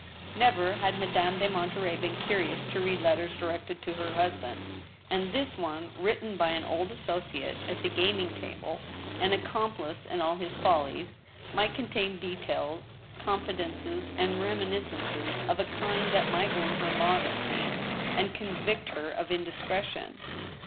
Never had Madame de Monterey been curious to read letters directed to her husband. And this one, written by an old asso* ciate at the gaming table, an accomplice in all his follies, might con tain details, confidences, and reminiscences of a kind that might wound her modesty, and convict her of indiscretion.